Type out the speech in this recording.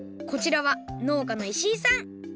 こちらはのうかの石井さん。